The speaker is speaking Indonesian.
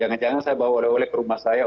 jangan jangan saya bawa oleh oleh ke rumah saya